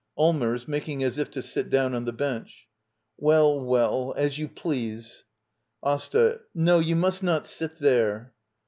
Allmers. [Making as if to sit down on the bench.] Well, well — as you please. AsTA. No, you must not sit there.